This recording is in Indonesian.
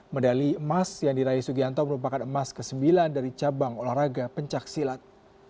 medali emas yang diraih sugianto merupakan emas ke sembilan dari cabang olahraga pencaksilat